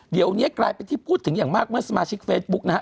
เดี๋ยวนี้กลายเป็นที่พูดถึงอย่างมากเมื่อสมาชิกเฟซบุ๊กนะฮะ